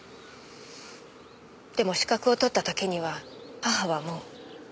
でも資格を取った時には母はもう。